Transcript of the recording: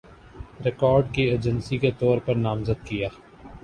record کی agency کے طور پر نامزد کِیا